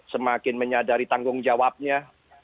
semakin menyadari tanggung jawabnya